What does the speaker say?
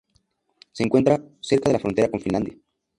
Se encuentra cerca de la frontera con Finlandia.